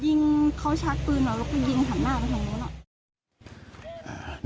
ยิงเขาชักปืนมาแล้วก็ยิงหันหน้าไปทางนู้นอ่ะ